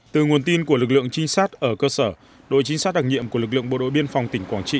từ nguồn tin của lực lượng trinh sát ở cơ sở đội chính xác đặc nhiệm của lực lượng bộ đội biên phòng tỉnh quảng trị